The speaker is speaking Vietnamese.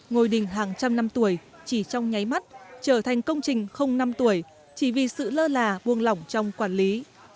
ngôi đình hàng trăm năm tuổi chỉ trong nháy mắt trở thành công trình không năm tuổi chỉ vì sự lơ là buông lỏng trong quản lý